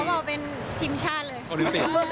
หมอบอกเป็นทิมชาติ